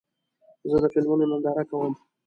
زه د فلمونو ننداره کوم.